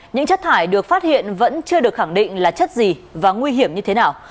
những chất thải được phát hiện vẫn chưa được khẳng định là chất gì và nguy hiểm như thế nào